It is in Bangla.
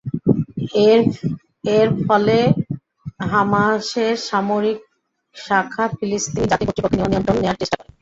এর ফলে হামাসের সামরিক শাখা ফিলিস্তিনি জাতীয় কর্তৃপক্ষের নিয়ন্ত্রণ নেয়ার চেষ্টা করে।